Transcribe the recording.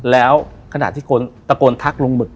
แล้วขณะที่คนตะโกนทักลุงหมึก